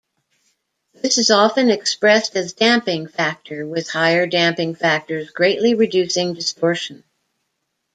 This is often expressed as damping factor, with higher damping factors greatly reducing distortion.